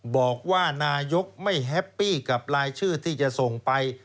บอกว่านายกไม่แฮปปี้กับรายชื่อที่จะส่งไป